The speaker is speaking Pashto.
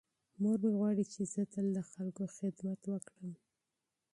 مور مې غواړي چې زه تل د خلکو خدمت وکړم.